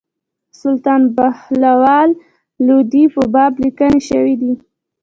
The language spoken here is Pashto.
سلطان بهلول لودي په باب لیکني شوي دي.